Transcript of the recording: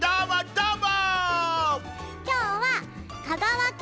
どーも！